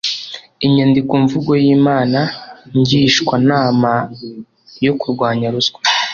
INYANDIKOMVUGO Y INAMA NGISHWANAMA YO KURWANYA RUSWA